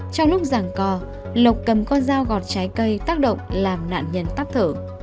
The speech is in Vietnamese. trong lúc giảng co lộc cầm con dao gọt trái cây tác động làm nạn nhân tắc thở